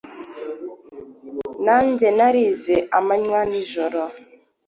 Nanjye narize amanywa n'ijoro,